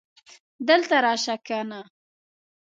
دلته راشه کنه